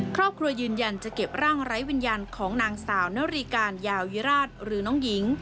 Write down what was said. ครอบครัวยืนยันจะเก็บร่างไร้วิญญาณของนางสาวนรีการยาววิราชหรือน้องหญิง